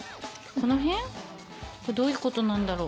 これどういうことなんだろう？